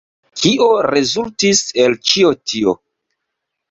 Kio rezultis el ĉio tio?